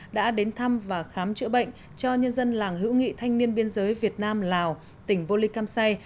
đã đến thăm và khám chữa bệnh cho nhân dân làng hữu nghị thanh niên biên giới việt nam lào tỉnh bô ly cam say